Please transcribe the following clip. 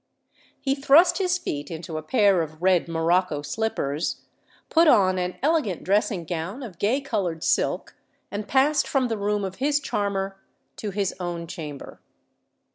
He thrust his feet into a pair of red morocco slippers, put on an elegant dressing gown of gay coloured silk, and passed from the room of his charmer to his own chamber.